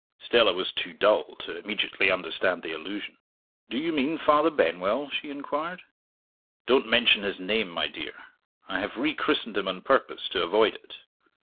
Stella was too dull to immediately understand the allusion. "Do you mean Father Benwell?" she inquired. "Don't mention his name, my dear. I have re christened him on purpose to avoid it.